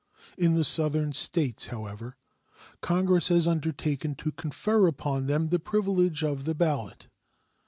In the Southern States, however, Congress has undertaken to confer upon them the privilege of the ballot.